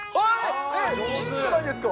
いいじゃないですか！